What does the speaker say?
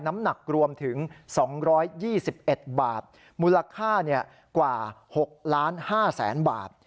น้ำหนักรวมถึง๒๒๑บาทมูลค่ากว่า๖ล้าน๕แสนบาท